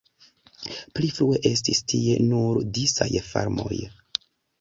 Pli frue estis tie nur disaj farmoj.